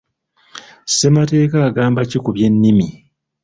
Ssemateeka agamba ki ku by'ennimi?